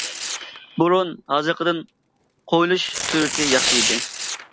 بۇرۇن ھازىرقىدىن قويۇلۇش سۈرئىتى ياخشى ئىدى.